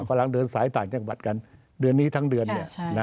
กำลังเดินสายต่างจังหวัดกันเดือนนี้ทั้งเดือน